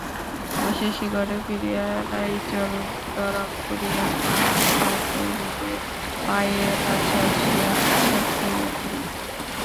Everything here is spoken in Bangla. অবশেষে ঘরে ফিরিয়া রাইচরণ দড়াম করিয়া মাঠাকরুনের পায়ের কাছে আসিয়া আছাড় খাইয়া পড়িল।